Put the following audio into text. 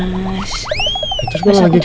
ya terus kalau lagi kayak gitu kak